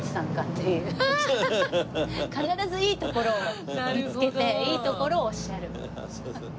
必ずいいところを見つけていいところをおっしゃる。